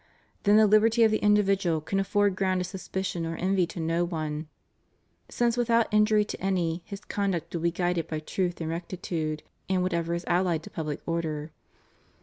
Then the liberty of the individual can afford ground of suspicion or envy to no one; since, with out injury to any, his conduct will be guided by truth and rectitude and whatever is aUied to public order.